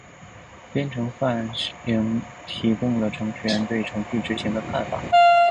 编程范型提供了程序员对程序执行的看法。